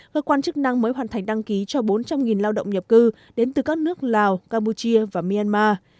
cơ quan chức năng mới hoàn thành đăng ký cho bốn trăm linh lao động nhập cư đến từ các nước lào campuchia và myanmar